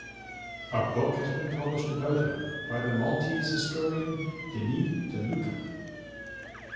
A book has been published about him by the Maltese historian Denis De Lucca.